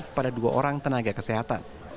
kepada dua orang tenaga kesehatan